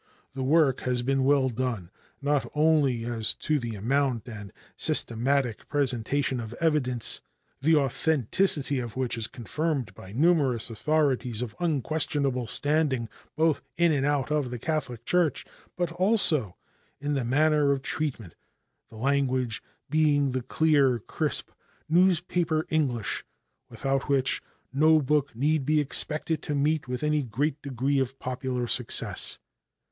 The work has been well done, not only as to the amount and systematic presentation of evidence, the authenticity of which is confirmed by numerous authorities of unquestionable standing, both in and out of the Catholic Church, but also in the manner of treatment, the language being the clear, crisp newspaper English, without which no book need be expected to meet with any great degree of popular success.